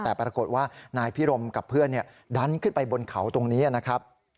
แต่ปรากฏว่านายพิรมกับเพื่อนดันขึ้นไปบนเขาตรงนี้นะครับ